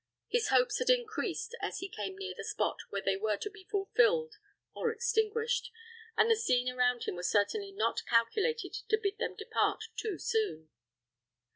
His hopes had increased as he came near the spot where they were to be fulfilled or extinguished, and the scene around him was certainly not calculated to bid them depart too soon.